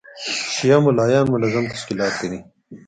شیعه مُلایان منظم تشکیلات لري.